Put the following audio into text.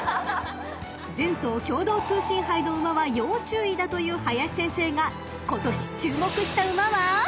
［前走共同通信杯の馬は要注意だという林先生が今年注目した馬は？］